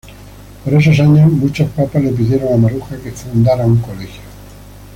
Por esos años, muchos papás le pidieron a Maruja que funde un colegio.